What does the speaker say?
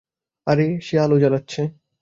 আরে, সে আলো জ্বালাচ্ছে।